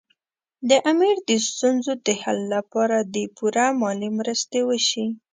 د امیر د ستونزو د حل لپاره دې پوره مالي مرستې وشي.